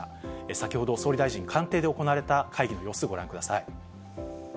先ほど、総理大臣官邸で行われた会議の様子、ご覧ください。